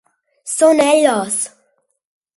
Són elles!